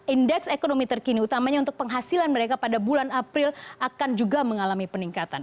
indeks ekonomi terkini utamanya untuk penghasilan mereka pada bulan april akan juga mengalami peningkatan